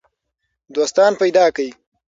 دوستان پیدا کړئ.